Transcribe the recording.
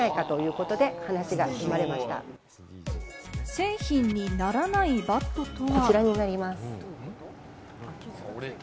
製品にならないバットとは？